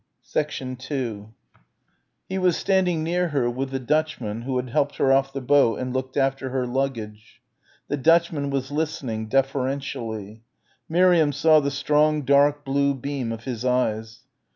2 He was standing near her with the Dutchman who had helped her off the boat and looked after her luggage. The Dutchman was listening, deferentially. Miriam saw the strong dark blue beam of his eyes.